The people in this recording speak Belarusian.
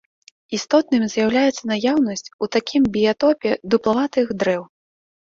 Істотным з'яўляецца наяўнасць у такім біятопе дуплаватых дрэў.